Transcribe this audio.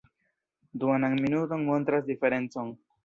Duonan minuton montras diferencon.